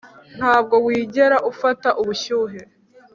ntabwo wigera ufata ubushyuhe